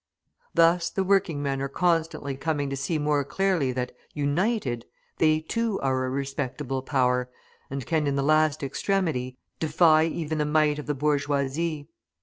Thus the working men are constantly coming to see more clearly that, united, they too are a respectable power, and can, in the last extremity, defy even the might of the bourgeoisie.